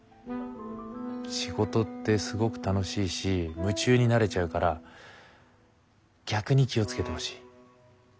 仕事ってすごく楽しいし夢中になれちゃうから逆に気を付けてほしい。